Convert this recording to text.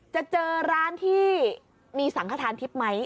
จะเจอร้านที่มีสังขทานทิพย์ไหม